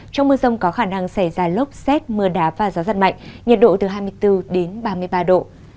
trong mưa rông có khả năng xảy ra lốc xét mưa đá và gió giật mạnh nhiệt độ từ hai mươi bốn đến ba mươi ba độ